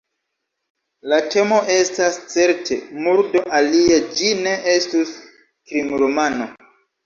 La temo estas, certe, murdo – alie ĝi ne estus krimromano.